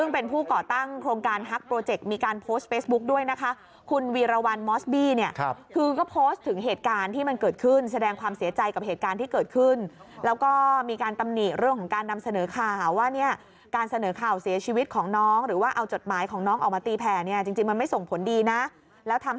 เพราะฉะนั้นวันนี้เป็นทางการเมืองการในวันนี้ครับ